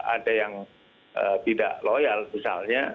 ada yang tidak loyal misalnya